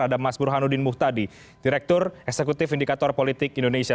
ada mas burhanuddin muhtadi direktur eksekutif indikator politik indonesia